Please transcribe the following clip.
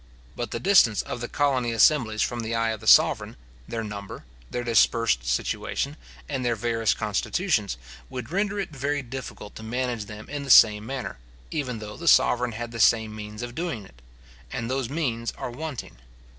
But the distance of the colony assemblies from the eye of the sovereign, their number, their dispersed situation, and their various constitutions, would render it very difficult to manage them in the same manner, even though the sovereign had the same means of doing it; and those means are wanting.